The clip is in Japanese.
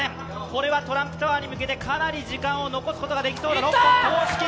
これはトランプタワーに向けてかなり時間を残すことができそうだ。